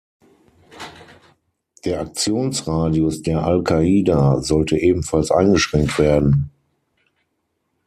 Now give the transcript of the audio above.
Der Aktionsradius der al-Qaida sollte ebenfalls eingeschränkt werden.